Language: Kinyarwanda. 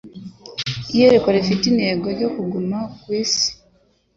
Iyerekwa rifite intego yo kuguma ku isi